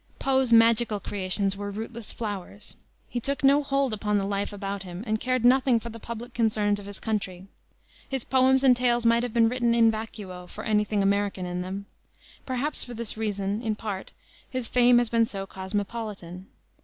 Poe's magical creations were rootless flowers. He took no hold upon the life about him, and cared nothing for the public concerns of his country. His poems and tales might have been written in vacuo for any thing American in them. Perhaps for this reason, in part, his fame has been so cosmopolitan.